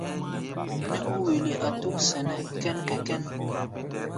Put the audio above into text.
Nɛ́ ó wele a tók sɛnɛ kɛ́n-kɛ-kɛ́n.